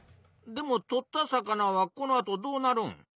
でも取った魚はこのあとどうなるん？